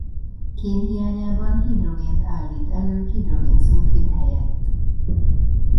Kén hiányában hidrogént állít elő hidrogén-szulfid helyett.